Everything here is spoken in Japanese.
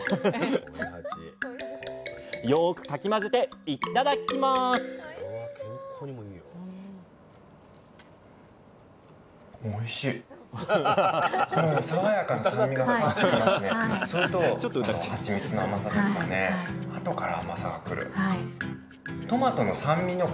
よくかき混ぜていっただっきますこちら！